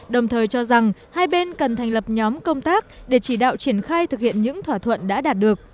đồng thời cho rằng hai bên cần thành lập nhóm công tác để chỉ đạo triển khai thực hiện những thỏa thuận đã đạt được